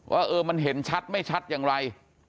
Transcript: ว่าเออมันเห็นชัดไม่ชัดอย่างไร